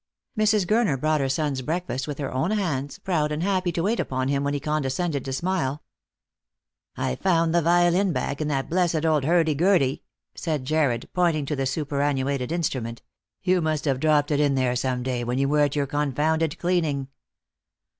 Mrs. Gurner brought her son's breakfast with her own hands, proud and happy to wait upon him when he condescended to smile. " I've found the violin back in that blessed old hurdy gurdy," said Jarred, pointing to the superannuated instrument. " You must have dropped it in there some day when you were at your confounded cleaning."